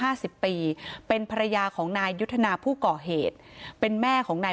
สิบปีเป็นภรรยาของนายยุทธนาผู้ก่อเหตุเป็นแม่ของนาย